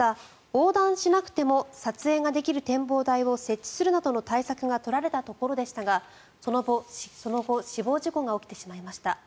横断しなくても撮影できる展望台を設置するなどの対策が取られたところでしたがその後、死亡事故が起きてしまいました。